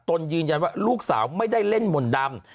ตนยืนยันว่าลูกสาวไม่ได้เล่นมนต์ดำ